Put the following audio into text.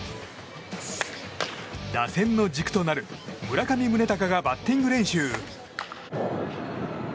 打線の軸となる村上宗隆がバッティング練習。